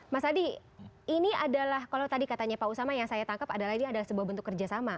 mas adi ini adalah kalau tadi katanya pak usama yang saya tangkap adalah ini adalah sebuah bentuk kerjasama